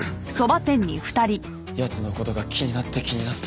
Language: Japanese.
奴の事が気になって気になって。